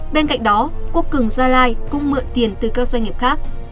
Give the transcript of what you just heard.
bên cạnh đó quốc cường gia lai cũng mượn tiền từ các doanh nghiệp khác